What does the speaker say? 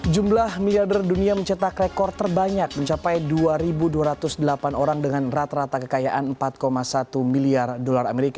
jumlah miliarder dunia mencetak rekor terbanyak mencapai dua dua ratus delapan orang dengan rata rata kekayaan empat satu miliar dolar amerika